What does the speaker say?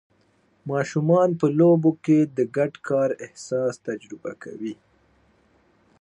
ماشومان په لوبو کې د ګډ کار احساس تجربه کوي.